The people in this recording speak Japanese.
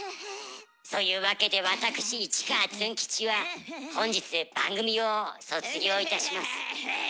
そういうわけでわたくし市川ズン吉は本日番組を卒業いたします。